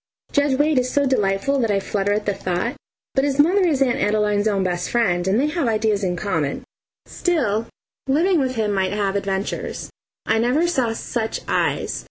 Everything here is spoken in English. Judge Wade is so delightful that I flutter at the thought, but his mother is Aunt Adeline's own best friend, and they have ideas in common. Still, living with him might have adventures. I never saw such eyes!